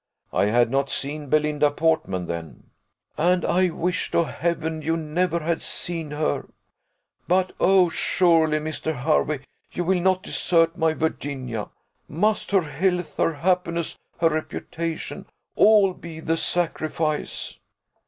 "I had not seen Belinda Portman then." "And I wish to Heaven you never had seen her! But oh, surely, Mr. Hervey, you will not desert my Virginia! Must her health, her happiness, her reputation, all be the sacrifice?"